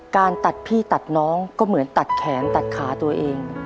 การตัดพี่ตัดน้องก็เหมือนตัดแขนตัดขาตัวเอง